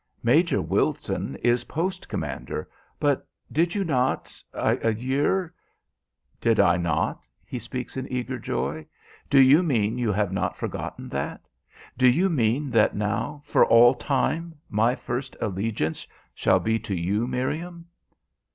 "Major Wilton is post commander; but did you not a year ?" "Did I not?" he speaks in eager joy. "Do you mean you have not forgotten that? Do you mean that now for all time my first allegiance shall be to you, Miriam?"